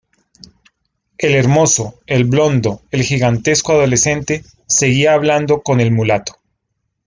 el hermoso, el blondo, el gigantesco adolescente, seguía hablando con el mulato